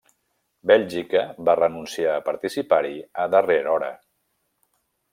Bèlgica va renunciar a participar-hi a darrera hora.